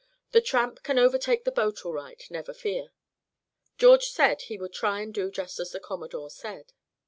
The Tramp can overtake that boat all right, never fear." George said he would try and do just as the Commodore said.